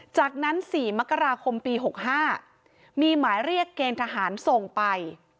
จากนั้น๔มกราคมปี๖๕มีหมายเรียกเกณฑ์ทหารส่งไป